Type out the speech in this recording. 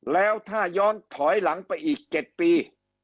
แล้วถ้าย้อนถอยหลังไปอีก๗ปี